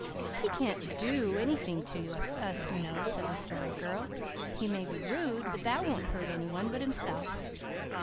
"He can't DO anything to us, you know," said the Story Girl. "He may be rude, but that won't hurt any one but himself."